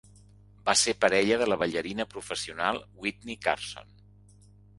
Va ser parella de la ballarina professional Witney Carson.